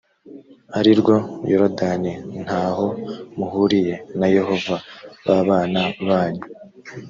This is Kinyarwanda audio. ari rwo yorodani nta ho muhuriye na yehova b abana banyu